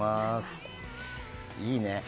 いいね。